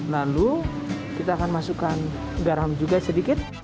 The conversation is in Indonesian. lalu kita akan masukkan garam juga sedikit